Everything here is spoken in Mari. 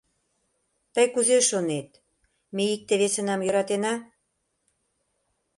Тый кузе шонет, ме икте-весынам йӧратена?